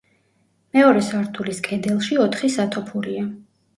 მეორე სართულის კედელში ოთხი სათოფურია.